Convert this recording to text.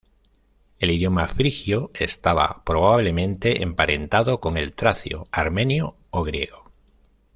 El idioma frigio estaba probablemente emparentado con el tracio, armenio o griego.